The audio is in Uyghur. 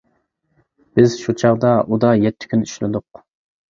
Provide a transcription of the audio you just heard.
بىز شۇ چاغدا ئۇدا يەتتە كۈن ئىشلىدۇق.